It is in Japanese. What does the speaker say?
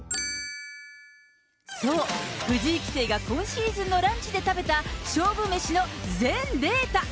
そう、藤井棋聖が今シーズンのランチで食べた勝負メシの全データ。